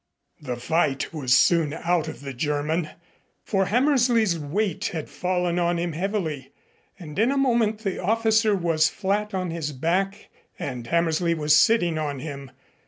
The fight was soon out of the German, for Hammersley's weight had fallen on him heavily, and in a moment the officer was flat on his back and Hammersley was sitting on him.